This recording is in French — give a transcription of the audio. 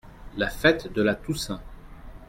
La Fête de la Toussaint.